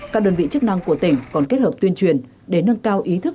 các đơn vị chức năng của tỉnh còn kết hợp tuyên truyền để nâng cao ý thức